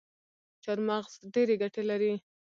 چارمغز ډیري ګټي لري